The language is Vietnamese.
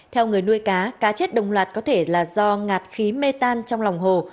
theo người nuôi cá cá chết đồng loạt có thể là do ngạt khí mê tan trong lòng hồ